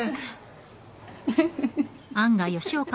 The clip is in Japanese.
フッフフフ。